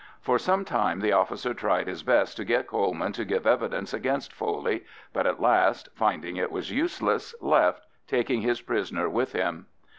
For some time the officer tried his best to get Coleman to give evidence against Foley, but at last, finding it was useless, left, taking his prisoner with him.